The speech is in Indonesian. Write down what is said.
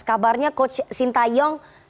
kabarnya coach sinta yong